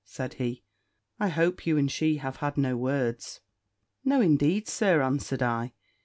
said he: "I hope you and she have had no words?" "No, indeed, Sir," answered I.